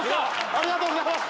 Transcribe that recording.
ありがとうございます！